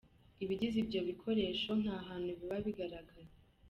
Ibigize ibyo bikoresho nta hantu biba bigaragara.